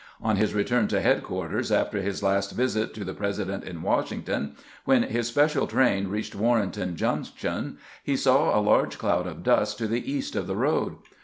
On his return to headquarters after his last visit to the President in Washington, when his special train reached Warrenton Junction he saw a large cloud of dust to the east of the road.